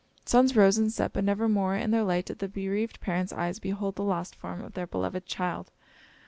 Suns rose and set, but nevermore in their light did the bereaved parents' eyes behold the lost form of their beloved child.